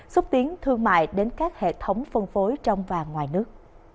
xúc tiến thương mại đến các hệ thống phân phối trong và ngoài nước